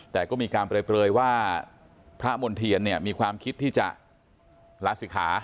แต่ก็มีการเปลยว่าพระมณ์เทียนเนี่ยมีความคิดที่จะลาศิกขา